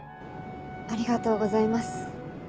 ありがとうございます。